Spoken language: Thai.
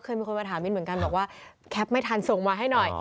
มีคนมาถามมิ้นเหมือนกันบอกว่าแคปไม่ทันส่งมาให้หน่อย